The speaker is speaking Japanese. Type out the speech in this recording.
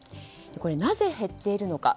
なぜ減っているのか。